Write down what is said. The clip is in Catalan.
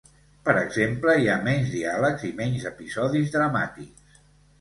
Per exemple, hi ha menys diàlegs i menys episodis dramàtics.